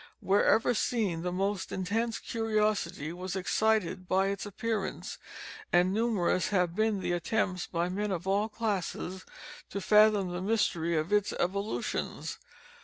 Wherever seen, the most intense curiosity was excited by its appearance, and numerous have been the attempts, by men of all classes, to fathom the mystery of its evolutions.